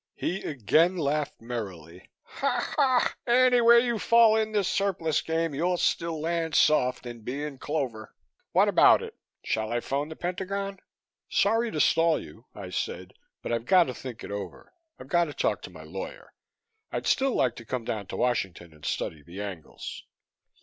He again laughed merrily. "Anywhere you fall in this surplus game you'd still land soft and be in clover. What about it? Shall I phone the Pentagon?" "Sorry to stall you," I said, "but I've got to think it over. I've got to talk to my lawyer. I'd still like to come down to Washington and study the angles."